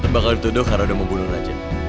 bakal dituduh karena udah mau bunuh raja